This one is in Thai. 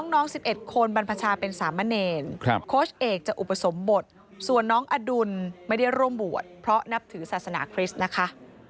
น้อง๑๑คนบรรพชาเป็นสามเณรโค้ชเอกจะอุปสมบทส่วนน้องอดุลไม่ได้ร่วมบวชเพราะนับถือศาสนาคริสต์นะคะ